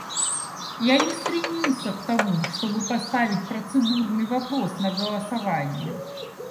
Я не стремился к тому, чтобы поставить процедурный вопрос на голосование.